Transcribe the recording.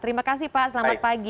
terima kasih pak selamat pagi